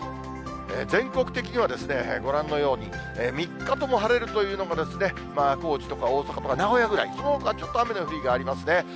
全国的にはご覧のように、３日とも晴れるというのが、高知とか大阪とか名古屋ぐらい、そのほかはちょっと雨の雰囲気ありますね。